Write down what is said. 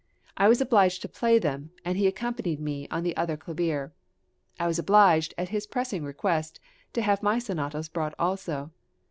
I was obliged to play them, and he accompanied me on the other clavier. I was obliged, at his pressing request, to have my sonatas brought also.